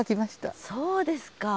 そうですか。